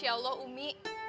masya allah umi